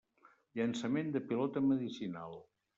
Llançament de pilota medicinal.